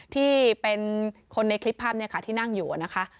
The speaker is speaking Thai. ที่เป็นคนในคลิปภาพนี้ค่ะที่นั่งอยู่นะคะ